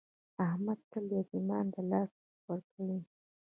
احمد تل یتمیان دلاسه کوي.